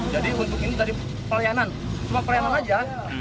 jadi untuk ini dari pelayanan cuma pelayanan saja